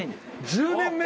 １０年目！？